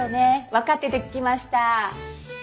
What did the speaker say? わかってて聞きました。